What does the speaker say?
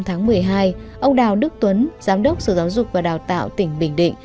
hai mươi năm tháng một mươi hai ông đào đức tuấn giám đốc sở giáo dục và đào tạo tỉnh bình định